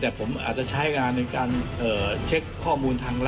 สนุนโดยน้ำดื่มสิง